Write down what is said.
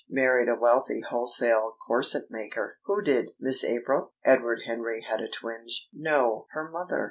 Married a wealthy wholesale corset maker." "Who did? Miss April?" Edward Henry had a twinge. "No; her mother.